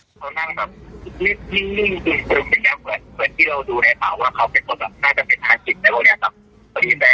นั่งแบบนิ่งนิ่งดึงดึงไปเนี้ยเหมือนเหมือนที่เราดูในเผาว่าเขาเป็นตัวแบบ